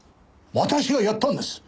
私がやったんです！